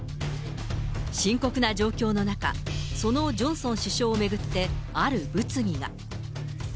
深刻な状況の中、そのジョンソン首相を巡ってある物議が。